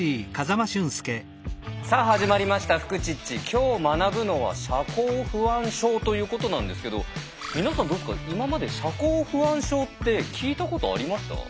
今日学ぶのは社交不安症ということなんですけど皆さんどうですか今まで社交不安症って聞いたことありました？